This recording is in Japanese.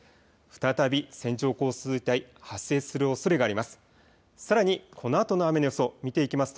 再び線状降水帯、発生するおそれがあります。